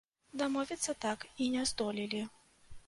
Дамовіцца так і не здолелі.